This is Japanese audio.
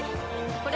これ！